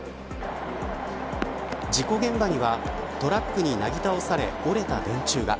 事故現場にはトラックになぎ倒され折れた電柱が。